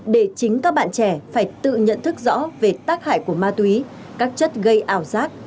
để chính các bạn trẻ phải tự nhận thức rõ về tác hại của ma túy các chất gây ảo giác